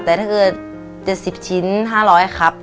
แต่ถ้าเกิด๗๐ชิ้น๕๐๐ครับ